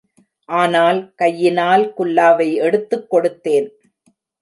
ஆனால், கையினால் குல்லாவை எடுத்துக் கொடுத்தேன்.